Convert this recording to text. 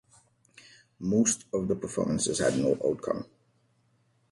Most of the performances had no outcome.